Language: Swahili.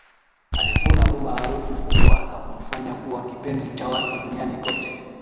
Alivuna umaarufu mkubwa na kumfanya kuwa kipenzi cha watu duniani kote